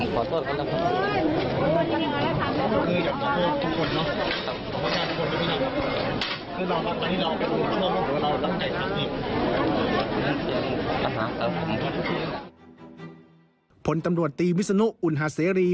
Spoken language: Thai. ผมผู้สีชีวิตผลตำลวจตีวิสย็อนุอุณหาเสรี